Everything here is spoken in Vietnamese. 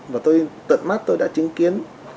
và tôi tận mắt tôi đã chứng kiến